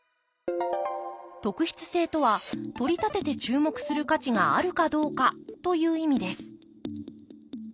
特筆性とはとりたてて注目する価値があるかどうかという意味です